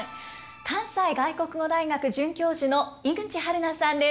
関西外国語大学准教授の井口はる菜さんです。